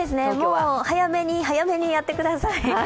早めに早めにやってください。